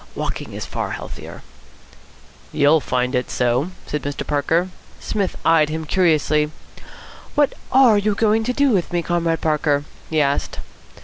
Walking is far healthier." "You'll find it so," said Mr. Parker. Psmith eyed him curiously. "What are you going to do with me, Comrade Parker?" he asked.